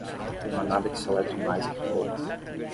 Não há nada que soletre mais que o fogo.